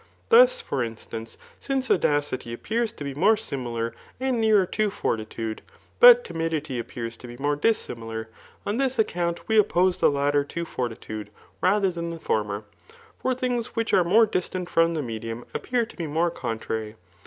Thus, for instance, since audacity appears to be more ^'milar and nearer to fortitude, but timidity appears to be more dissi milar, on this account we oppose the latter to fortitude rather than the former. For things which are more distant from the medium, appear to be more contrary.